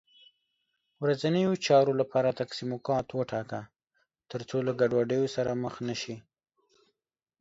ورځنیو چارو لپاره تقسیم اوقات وټاکه، تر څو له ګډوډۍ سره مخ نه شې